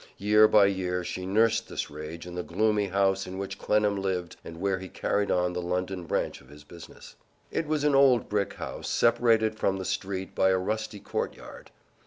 Year by year she nursed this rage in the gloomy house in which Clennam lived and where he carried on the London branch of his business. It was an old brick house separated from the street by a rusty courtyard.